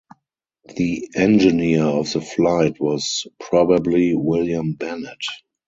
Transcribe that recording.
The engineer of the flight was probably William Bennet.